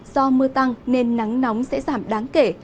do mưa tăng nên nắng nóng sẽ giảm đáng kể